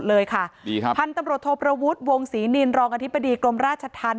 เลยค่ะดีครับพันธุ์ตำรวจโทประวุฒิวงศรีนินรองอธิบดีกรมราชธรรม